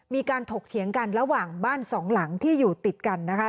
ถกเถียงกันระหว่างบ้านสองหลังที่อยู่ติดกันนะคะ